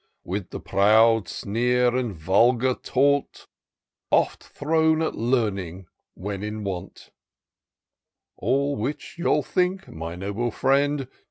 With the proud sneer and vulgar taunt, Oft thrown at learning when in want ; All which you'll think, my noble friend.